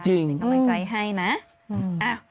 จริงขอบใจให้นะ